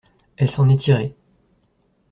Elle s’en est tirée.